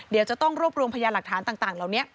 เดี๋ยวจะต้องรวบรวมพยานหลักฐานต่างเหล่านี้